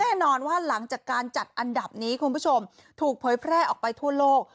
แน่นอนว่าหลังจากการจัดอันดับนี้คุณผู้ชมถูกเผยแพร่ออกไปทั่วโลก